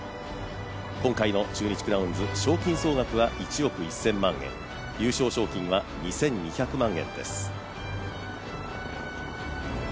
今回の中日クラウンズ賞金総額は１億１０００万円優勝賞金は２２００万円です。